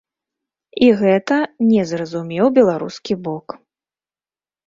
І гэта не зразумеў беларускі бок.